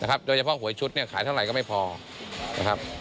โดยเฉพาะหวยชุดเนี่ยขายเท่าไหร่ก็ไม่พอนะครับ